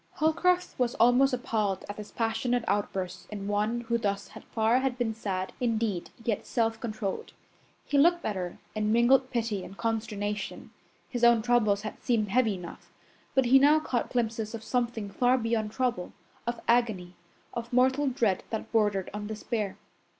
Holcroft was almost appalled at this passionate outburst in one who thus far had been sad, indeed, yet self controlled. He looked at her in mingled pity and consternation. His own troubles had seemed heavy enough, but he now caught glimpses of something far beyond trouble of agony, of mortal dread that bordered on despair.